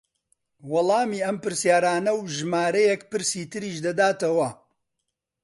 وەڵامی ئەم پرسیارانە و ژمارەیەک پرسی تریش دەداتەوە